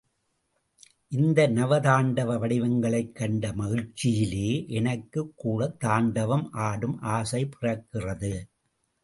இந்த நவதாண்டவ வடிவங்களைக் கண்ட மகிழ்ச்சியிலே எனக்குக் கூட தாண்டவம் ஆடும் ஆசை பிறக்கிறது.